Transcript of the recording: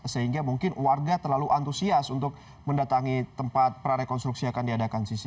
sehingga mungkin warga terlalu antusias untuk mendatangi tempat prarekonstruksi akan diadakan sisi